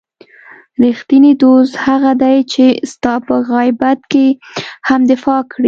رښتینی دوست هغه دی چې ستا په غیابت کې هم دفاع کړي.